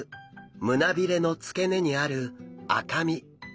胸びれの付け根にある赤身。